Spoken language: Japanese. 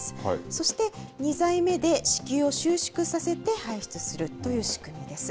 そして２剤目で、子宮を収縮させて排出するという仕組みです。